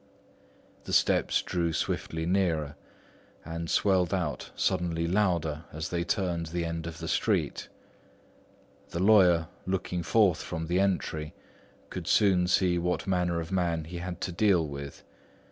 The steps drew swiftly nearer, and swelled out suddenly louder as they turned the end of the street. The lawyer, looking forth from the entry, could soon see what manner of man he had to deal with.